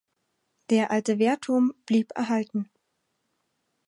Der alte Wehrturm blieb erhalten.